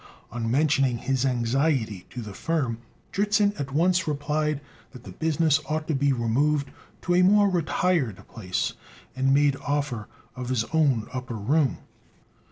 On mentioning his anxiety to the firm, Dritzhn at once replied that the business ought to be removed to a more retired place, and made offer of his own upper room.